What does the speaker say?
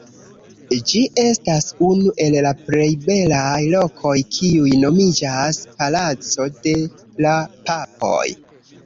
Ĝi estas unu el la plej belaj lokoj kiuj nomiĝas «Palaco de la Papoj».